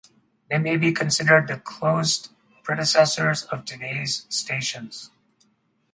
They may be considered the closed predecessors of today's stations.